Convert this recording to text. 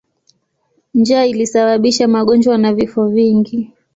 Njaa ilisababisha magonjwa na vifo vingi.